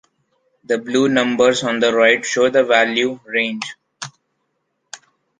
The blue numbers on the right show the value “range”.